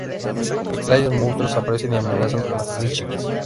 Extraños monstruos aparecen y amenazan a las tres chicas.